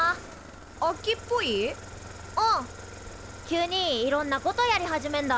急にいろんなことやり始めんだ。